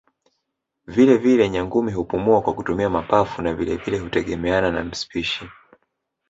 Vile vile Nyangumi hupumua kwa kutumia mapafu na vile vile hutegemeana na spishi